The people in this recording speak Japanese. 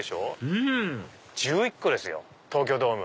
うん１１個ですよ東京ドーム。